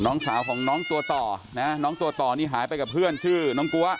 น้องสาวของน้องตัวต่อนะน้องตัวต่อนี่หายไปกับเพื่อนชื่อน้องกัว